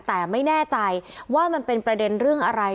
แต่ไม่แน่ใจว่ามันเป็นประเด็นเรื่องอะไร